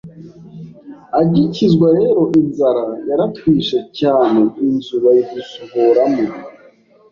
agikizwa rero inzara yaratwishe cyane inzu bayidusohoramo